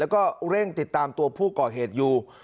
แล้วก็เร่งติดตามตัวผู้ก่อเหตุอยู่